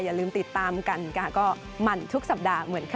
อย่าลืมติดตามกันก็มั่นทุกสัปดาห์